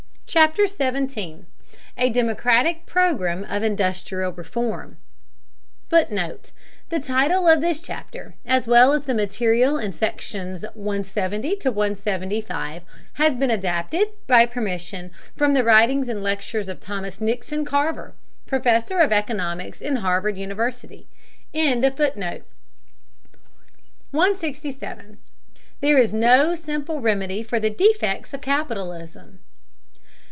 CHAPTER XVII A DEMOCRATIC PROGRAM OF INDUSTRIAL REFORM [Footnote: The title of this chapter, as well as the material in Sections 170 175, has been adapted, by permission, from the writings and lectures of Thomas Nixon Carver, Professor of Economics in Harvard University.] 167. THERE IS NO SIMPLE REMEDY FOR THE DEFECTS OF CAPITALISM.